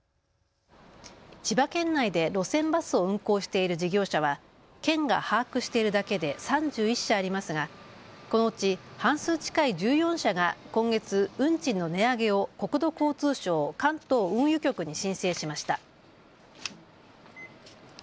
千葉県内で路線バスを運行している事業者は県が把握しているだけで３１社ありますがこのうち半数近い１４社が今月、運賃の値上げを国土交通省関東運輸局に申請しました。